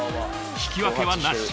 ［引き分けはなし］